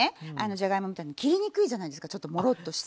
じゃがいもみたいの切りにくいじゃないですかちょっともろっとして。